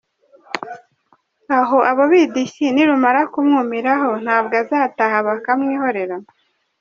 Aho abo bidishyi nirumara kumwumiraho ntabwo azataka bakamwihorera?